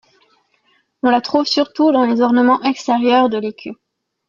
On la trouve surtout dans les ornements extérieurs de l'écu.